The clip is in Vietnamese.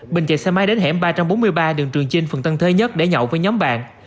bình chạy xe máy đến hẻm ba trăm bốn mươi ba đường trường chinh phường tân thới nhất để nhậu với nhóm bạn